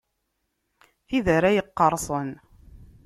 Tid ara yeqqerṣen.